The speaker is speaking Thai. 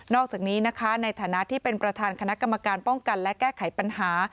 อกจากนี้นะคะในฐานะที่เป็นประธานคณะกรรมการป้องกันและแก้ไขปัญหา